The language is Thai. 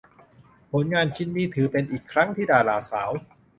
ผลงานชิ้นนี้ถือเป็นอีกครั้งที่ดาราสาว